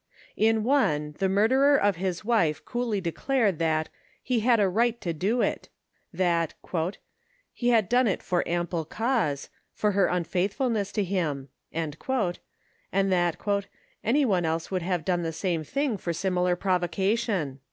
In one, the murderer of his wife coolly declared that *< he had a right to do it," that «* he had done it for ample cause, for her unfaithfulness to him," and that "any one else would have done the same thing for similar provocation."